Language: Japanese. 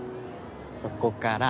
そこから。